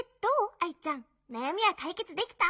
アイちゃんなやみはかいけつできた？